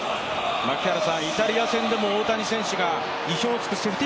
イタリア戦でも大谷選手が意表を突くセーフティ